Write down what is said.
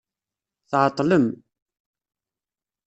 Tɛeṭlem.